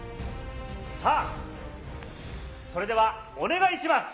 さあ、それではお願いします。